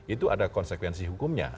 itu ada konsekuensi hukumnya